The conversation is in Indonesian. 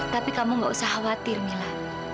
tapi kamu gak usah khawatir mila